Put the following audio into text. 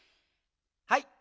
はい。